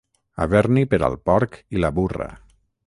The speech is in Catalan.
Haver-n'hi per al porc i la burra.